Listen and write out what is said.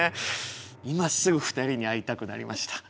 今すぐ２人に会いたくなりました。